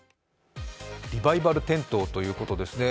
リバイバル点灯ということですね